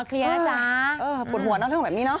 เออเออปวดหัวเนอะเรื่องแบบนี้เนอะ